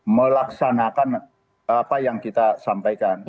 melaksanakan apa yang kita sampaikan